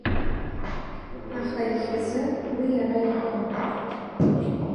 Аха иахьазы уи ара иҟам.